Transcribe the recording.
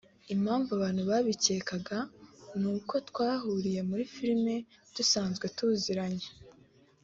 Ati ” Impamvu abantu babikekaga ni uko twahuriye muri filime dusanzwe tuziranye